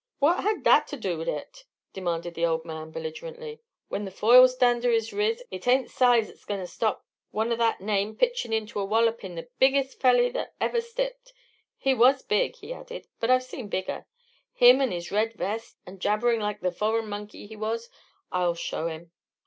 "What had that to do wid it?" demanded the old man, belligerently. "When the Foyles' dander is riz it ain't size that's goin' to stop wan o' that name from pitchin' into an' wallopin' the biggest felly that iver stepped. He was big," he added; "but I've seen bigger. Him an' his red vest and jabberin' like the foreign monkey he was. I'll show him!"